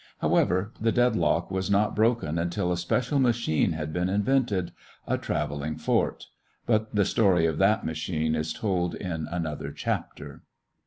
However, the dead lock was not broken until a special machine had been invented, a traveling fort. But the story of that machine is told in another chapter.